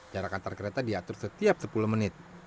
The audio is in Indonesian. jarak antar kereta diatur setiap sepuluh menit